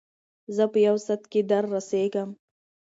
زه په یو ساعت کې در رسېږم.